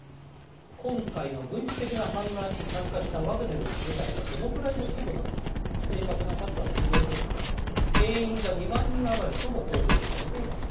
今回の軍事的な反乱に参加したワグネルの部隊がどのくらいの規模なのか正確な数は不明ですが兵員が２万人余りとも報道されています。